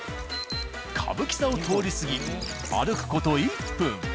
歌舞伎座を通り過ぎ歩く事１分。